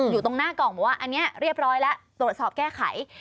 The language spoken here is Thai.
อยู่ตรงหน้ากล่องบอกว่าอันนี้เรียบร้อยแล้วตรวจสอบแก้ไข